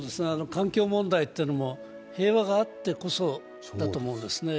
環境問題というのも平和があってこそだと思うんですね。